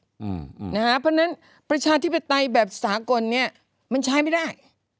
เพราะฉะนั้นประชาธิปไตยแบบสากลเนี่ยมันใช้ไม่ได้